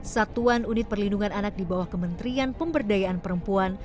satuan unit perlindungan anak di bawah kementerian pemberdayaan perempuan